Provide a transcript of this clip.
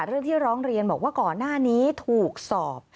เรื่องที่ร้องเรียนบอกว่าก่อนหน้านี้ถูกสอบ